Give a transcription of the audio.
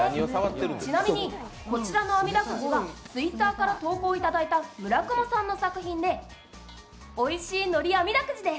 ちなみにこちらのあみだくじはＴｗｉｔｔｅｒから投稿いただいたむらくもさんの作品で美味しい海苔あみだくじです。